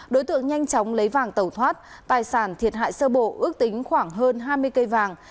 đối tượng nhanh chóng lấy vàng tẩu thoát tài sản thiệt hại sơ bộ ước tính khoảng hơn hai mươi cây vàng